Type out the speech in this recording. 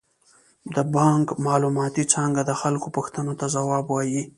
د بانک معلوماتي څانګه د خلکو پوښتنو ته ځواب وايي.